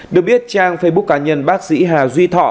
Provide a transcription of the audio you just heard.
được biết trang facebook cá nhân bác sĩ hà duy thọ